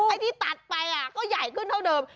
ไอ้ที่ตัดไปก็ใหญ่ขึ้นเท่าเดิม